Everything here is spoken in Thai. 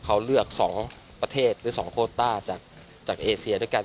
เขาเลือก๒ประเทศหรือ๒โคต้าจากเอเซียด้วยกัน